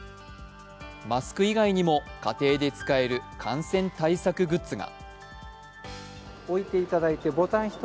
マスク意外にも家庭で使える感染対策グッズが。